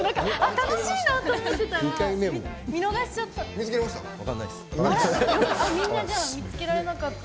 楽しいなと思ってたら見つけられた？